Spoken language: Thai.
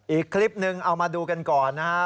อีกคลิปนึงเอามาดูกันก่อนนะครับ